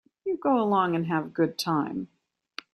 You go along and have a good time.